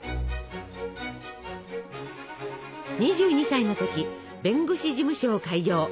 ２２歳の時弁護士事務所を開業。